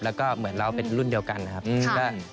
แล้วก็เหมือนเราเป็นรุ่นเดียวกันนะครับ